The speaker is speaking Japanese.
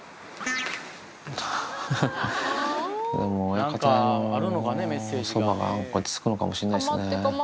親方のそばが落ち着くのかもしれないですね。